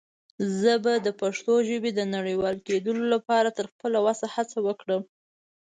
زه به دَ پښتو ژبې د نړيوال کيدلو لپاره تر خپله وسه هڅه وکړم.